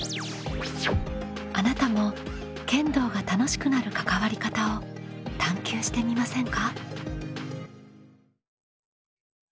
あなたも剣道が楽しくなる関わり方を探究してみませんか？